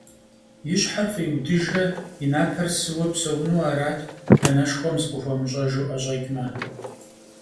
И щхьэр фӀиудыжрэ и напэр сыуэ псэуну арат, анэшхуэм зыкъыхуэмыужьыжу ӀэщӀэкӀмэ.